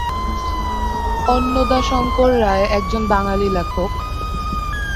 অন্নদাশঙ্কর রায় একজন বাঙালি লেখক।